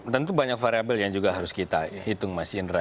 tentu banyak variable yang juga harus kita hitung mas indra